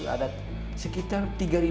ada sekitar tiga ribu lima ratus